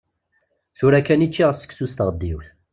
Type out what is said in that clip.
Tura kan i ččiɣ seksu s tɣeddiwt.